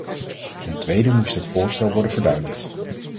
Ten tweede moest het voorstel worden verduidelijkt.